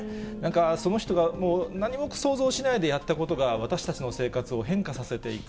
その人がもう何も想像しないでやったことが、私たちの生活を変化させていく。